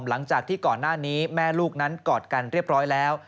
หลังจากที่ก่อนหน้านี้แม่ลูกนั้นกอดกันเรียบร้อยแล้ว